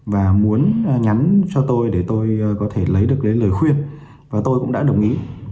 và muốn nhắn cho tôi để tôi có thể lấy được cái lời khuyên và tôi cũng đã đồng ý